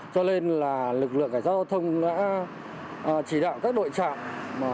cho nên là lực lượng cảnh sát giao thông đã chỉ đạo các đội trạm